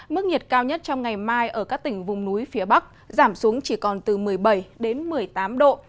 mức nhiệt cao nhất trong ngày mai ở các tỉnh vùng núi phía bắc giảm xuống chỉ còn từ một mươi bảy đến một mươi tám độ